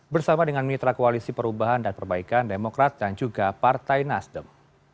bersama dengan mitra koalisi perubahan dan perbaikan demokrat dan juga partai nasdem